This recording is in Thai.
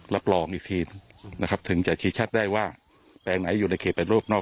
รับรองอีกทีนะครับถึงจะชี้ชัดได้ว่าแปลงไหนอยู่ในเขต๘รอบนอก